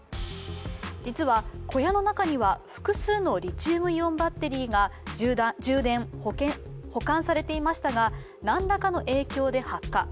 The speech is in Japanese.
実は小屋の中には複数のリチウムイオンバッテリーが充電・保管されていましたが、何らかの影響で発火。